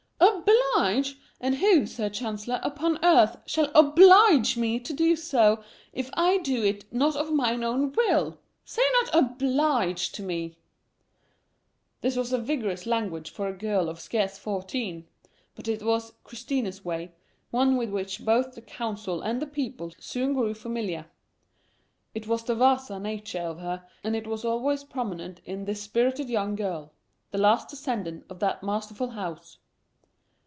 "Oblige! and who, Sir Chancellor, upon earth shall OBLIGE me to do so, if I do it not of mine own will? Say not OBLIGE to me." This was vigorous language for a girl of scarce fourteen; but it was "Christina's way," one with which both the Council and the people soon grew familiar. It was the Vasa(1) nature in her, and it was always prominent in this spirited young girl the last descendant of that masterful house.